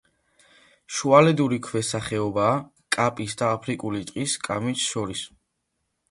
შუალედური ქვესახეობაა კაპის და აფრიკულ ტყის კამეჩს შორის.